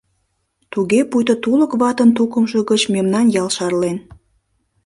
Туге пуйто тулык ватын тукымжо гыч мемнан ял шарлен.